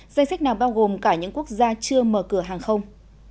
danh sách nào bao gồm cả những quốc gia chưa mở cửa hàng không